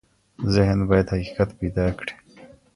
ذهن بايد حقيقت پيدا کړي.